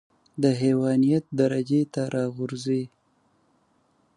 د حيوانيت درجې ته راغورځي.